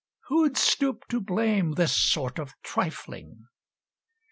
Who'd stoop to blame This sort of trifling?